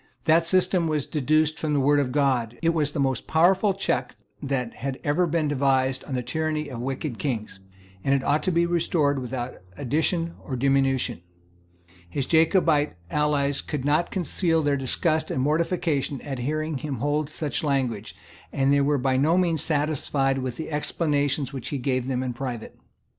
That system was deduced from the Word of God: it was the most powerful check that had ever been devised on the tyranny of wicked kings; and it ought to be restored without addition or diminution. His Jacobite allies could not conceal their disgust and mortification at hearing him hold such language, and were by no means satisfied with the explanations which he gave them in private.